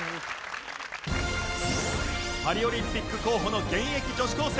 パリオリンピック候補の現役女子高生